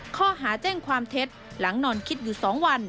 ข้อหาแจ้งความเท็จหลังนอนคิดอยู่๒วัน